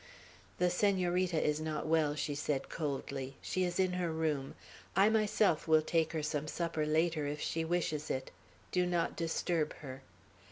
"The Senorita is not well," she said coldly. "She is in her room. I myself will take her some supper later, if she wishes it. Do not disturb her."